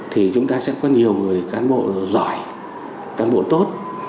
thì chúng ta sẽ có nhiều người cán bộ giỏi cán bộ tốt